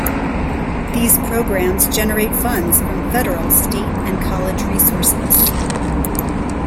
These programs generate funds from Federal, State and College resources.